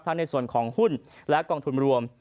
ในส่วนของหุ้นและกองทุนรวม